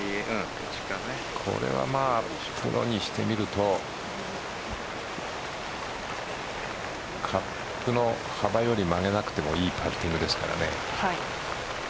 これはプロにしてみるとカップの幅より曲げなくてもいいパッティングですからね。